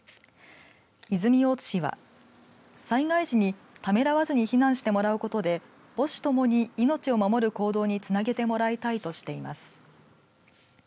泉大津市は災害時にためらわずに避難してもらうことで母子ともに命を守る行動につなげてもらいたいとしています。